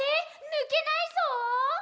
ぬけないぞ！！」